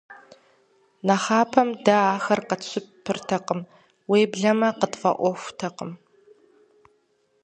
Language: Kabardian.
Нэхъапэм дэ ахэр къэтщыпыртэкъым, уеблэмэ къытфӏэӏуэхутэкъым.